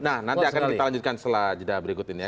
nah nanti akan kita lanjutkan setelah jeda berikut ini ya